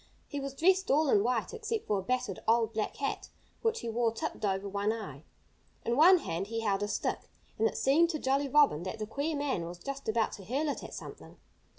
He was dressed all in white, except for a battered, old, black hat, which he wore tipped over one eye. In one hand he held a stick. And it seemed to Jolly Robin that the queer man was just about to hurl it at something.